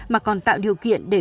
mà còn tạo điều kiện để tự dệt